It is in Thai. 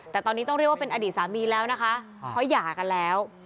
แต่ตอนนี้ต้องเรียกว่าเป็นอดีตสามีแล้วนะคะเพราะหย่ากันแล้ว